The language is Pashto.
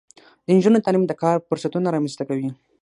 د نجونو تعلیم د کار فرصتونه رامنځته کوي.